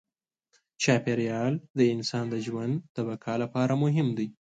چاپېریال د انسان د ژوند د بقا لپاره مهم دی.